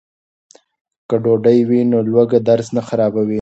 که ډوډۍ وي نو لوږه درس نه خرابوي.